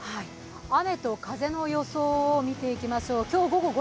雨と風の予想を見ていきましょう。